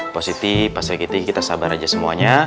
pak siti pak srikiti kita sabar aja semuanya